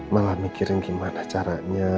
malah mikirin gimana caranya